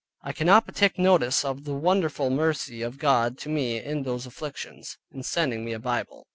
I cannot but take notice of the wonderful mercy of God to me in those afflictions, in sending me a Bible.